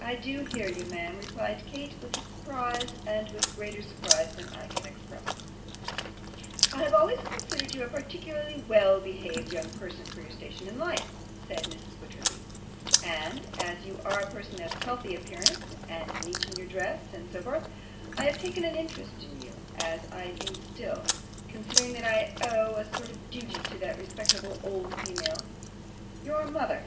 'I do hear you, ma'am,' replied Kate, 'with surprise with greater surprise than I can express.' 'I have always considered you a particularly well behaved young person for your station in life,' said Mrs. Wititterly; 'and as you are a person of healthy appearance, and neat in your dress and so forth, I have taken an interest in you, as I do still, considering that I owe a sort of duty to that respectable old female, your mother.